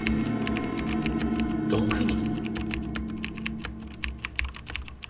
６人？